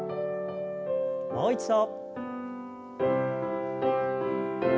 もう一度。